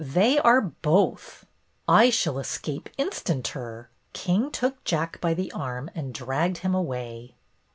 They are both." ''I shall escape instanter." King took Jack by the arm and dragged him away.